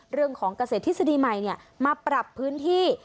เรื่องของเกษตรทฤษฎีใหม่มาปรับพื้นที่